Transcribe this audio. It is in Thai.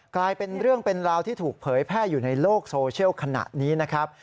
กลายเป็นเรื่องเป็นราวที่ถูกเผยแพร่อยู่ในโลกโซเชียลขณะนี้นะครับ